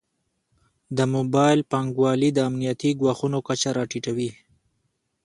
د موبایل بانکوالي د امنیتي ګواښونو کچه راټیټوي.